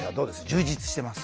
充実してます。